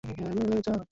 এটা তোমার দোষ।